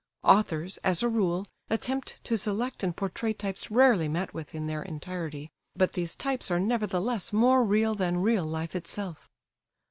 Authors, as a rule, attempt to select and portray types rarely met with in their entirety, but these types are nevertheless more real than real life itself.